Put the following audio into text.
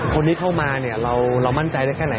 คนที่เข้ามาเนี่ยเรามั่นใจได้แค่ไหน